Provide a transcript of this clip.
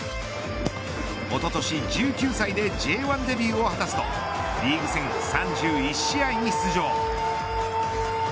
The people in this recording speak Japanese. おととし１９歳でＪ１デビューを果たすとリーグ戦３１試合に出場。